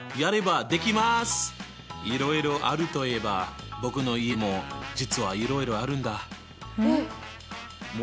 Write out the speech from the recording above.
いろいろあるといえば僕の家も実はいろいろあるんだ。